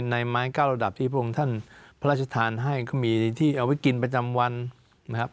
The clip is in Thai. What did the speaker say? ไม้เก้าระดับที่พระองค์ท่านพระราชทานให้ก็มีที่เอาไว้กินประจำวันนะครับ